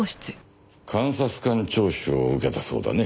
監察官聴取を受けたそうだね？